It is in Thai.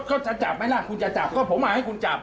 ก็จะจับไหมล่ะคุณจะจับ